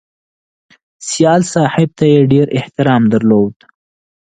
سیال صاحب ته یې ډېر احترام درلود